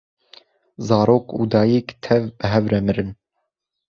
zarok û dayîk tev bi hev re mirin